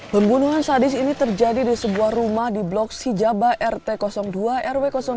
pembunuhan sadis ini terjadi di sebuah rumah di blok sijaba rt dua rw dua